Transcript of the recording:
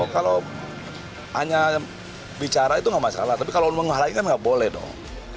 kalau hanya bicara itu nggak masalah tapi kalau menghalangi kan nggak boleh dong